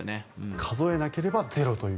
数えなければゼロという。